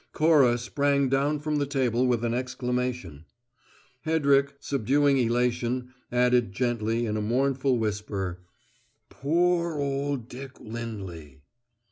Cora sprang down from the table with an exclamation. Hedrick, subduing elation, added gently, in a mournful whisper: "Poor old Dick Lindley!"